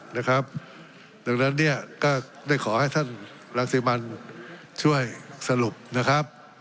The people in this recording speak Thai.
ดังนั้นเนี่ยก็ได้ขอให้ท่านรังสิมันช่วยสรุปนะครับ